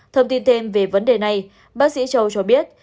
thông tin thêm về vấn đề này bác sĩ châu cho biết